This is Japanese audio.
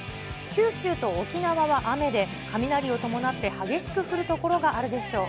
九州と沖縄は雨で、雷を伴って激しく降る所があるでしょう。